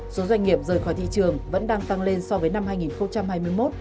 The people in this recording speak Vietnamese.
số doanh nghiệp rời khỏi thị trường vẫn đang tăng lên so với năm hai nghìn hai mươi một